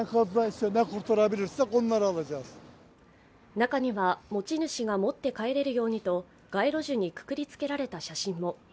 中には、持ち主が持って帰れるようにと街路樹にくくりつけられた写真も。